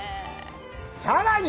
さらに！